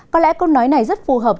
có lẽ câu nói này rất phù hợp